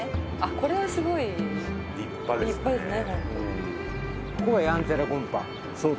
「これは、すごい立派ですね」